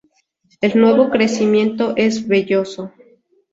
El nuevo crecimiento es velloso.